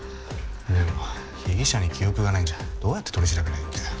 でも被疑者に記憶がないんじゃどうやって取り調べりゃいいんだよ。